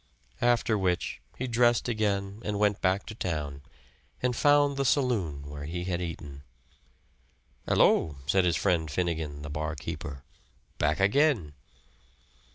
After which he dressed again and went back to town and found the saloon where he had eaten. "Hello!" said his friend Finnegan, the bar keeper. "Back again!"